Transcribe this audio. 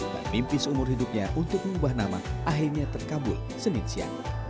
dan mimpi seumur hidupnya untuk mengubah nama akhirnya terkabul senin siang